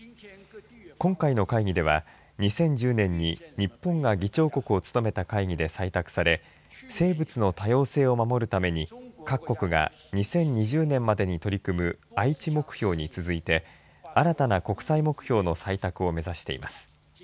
今回の会議では２０１０年に日本が議長国を務めた会議で採択され生物の多様性を守るために各国が２０２０年までに取り組む愛知目標に続いて新たな国際目標の採択を目指しています。